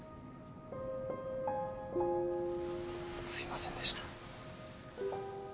すいませんでした。